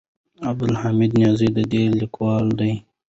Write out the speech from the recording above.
عبدالحمید نیازی د دې لیکوال دی.